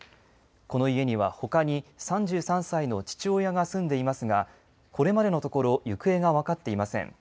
この家にはほかに３３歳の父親が住んでいますがこれまでのところ行方が分かっていません。